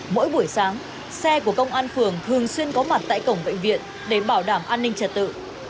mỗi buổi sáng xe của công an phường thường xuyên có mặt tại cổng bệnh viện để bảo đảm an ninh trật tự